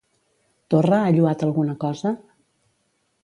Torra ha lloat alguna cosa?